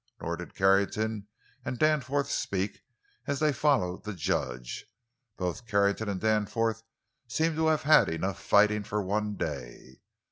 Nor did Carrington and Danforth speak as they followed the judge. Both Carrington and Danforth seemed to have had enough fighting for one day.